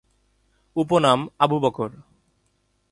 উপনাম: আবু বকর।